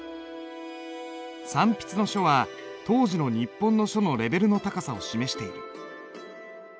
三筆の書は当時の日本の書のレベルの高さを示している。